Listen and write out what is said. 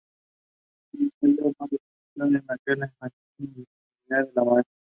Un ensayo no destructivo es aquel que mantiene la integridad de la muestra.